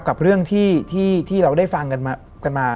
กับเรื่องที่เราได้ฟังกันมา